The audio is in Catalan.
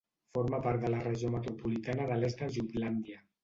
Forma part de la Regió metropolitana de l'est de Jutlàndia.